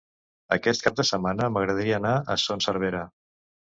Aquest cap de setmana m'agradaria anar a Son Servera.